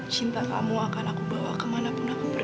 cinta kamu akan aku bawa kemana pun aku pergi